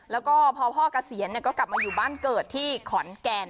แล้วก็พอพ่อเกษียณก็กลับมาอยู่บ้านเกิดที่ขอนแก่น